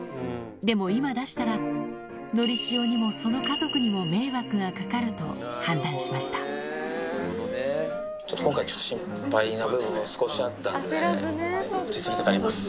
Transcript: でも今出したら、のりしおにもその家族にも迷惑がかかると判断しちょっと今回、心配な部分が少しあったんで、うちに連れて帰ります。